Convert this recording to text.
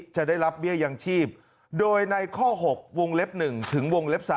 จะได้รับเบี้ยยังชีพโดยในข้อ๖วงเล็บ๑ถึงวงเล็บ๓